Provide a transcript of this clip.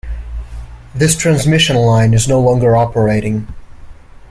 This transmission line is no longer operating.